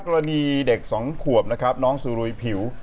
กรณีเด็กสองขวบนะครับน้องสุรุยผิว